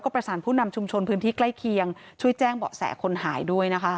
ครับเมียนเดี๋ยวก่อนครับ